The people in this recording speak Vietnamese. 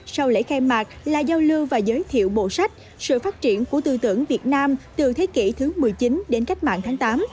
sau lễ khai mạc là giao lưu và giới thiệu bộ sách sự phát triển của tư tưởng việt nam từ thế kỷ thứ một mươi chín đến cách mạng tháng tám